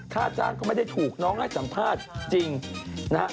ค่าจ้างก็ไม่ได้ถูกน้องให้สัมภาษณ์จริงนะฮะ